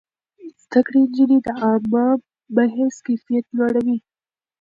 زده کړې نجونې د عامه بحث کيفيت لوړوي.